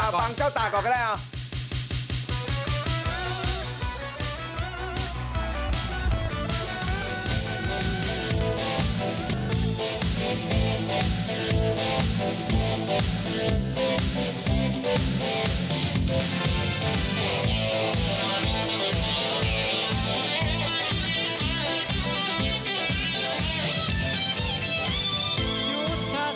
ฟังเจ้าตาก่อนก็ได้เอา